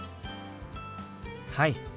はい。